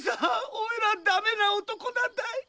おいら駄目な男なんだい！